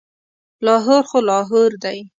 لاهور خو لاهور دی.